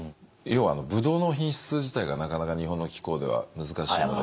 要はあのブドウの品質自体がなかなか日本の気候では難しいので。